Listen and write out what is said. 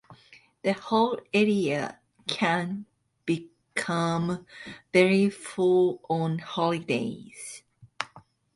The whole area can become very full on holidays.